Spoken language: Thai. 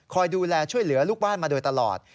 ดูแลช่วยเหลือลูกบ้านมาโดยตลอด